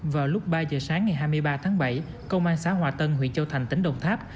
vào lúc ba giờ sáng ngày hai mươi ba tháng bảy công an xã hòa tân huyện châu thành tỉnh đồng tháp